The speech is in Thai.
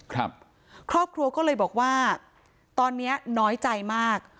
ครอบครัวก็เลยบอกว่าตอนเนี้ยน้อยใจมาก